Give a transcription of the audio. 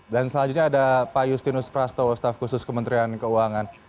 dan selanjutnya ada pak justinus prasto staff khusus kementerian keuangan